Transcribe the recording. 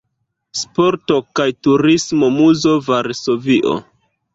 Sporto kaj Turismo-Muzo, Varsovio.